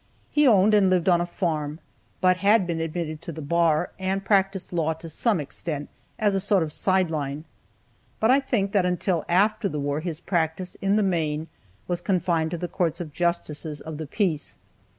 He owned and lived on a farm, but had been admitted to the bar, and practiced law to some extent, as a sort of a side line. But I think that until after the war his practice, in the main, was confined to the courts of justices of the peace.